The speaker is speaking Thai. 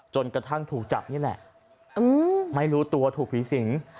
จนกระทั่งถูกจับนี่แหละไม่รู้ตัวถูกผีสิง